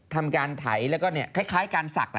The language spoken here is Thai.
ทำการไถแล้วก็คล้ายการศักดิ์